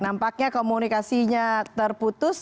nampaknya komunikasinya terputus